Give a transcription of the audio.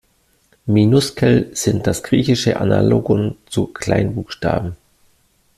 Minuskel sind das griechische Analogon zu Kleinbuchstaben.